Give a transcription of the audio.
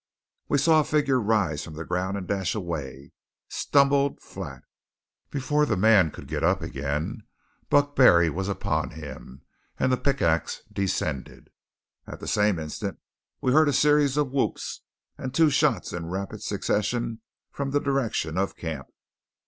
We saw a figure rise from the ground, dash away, stumble flat. Before the man could get up again Buck Barry was upon him, and the pickaxe descended. At the same instant we heard a series of whoops and two shots in rapid succession from the direction of camp.